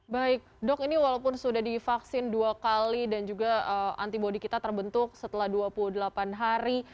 baik dok ini walaupun sudah divaksin dua kali dan juga antibody kita terbentuk setelah dua puluh delapan hari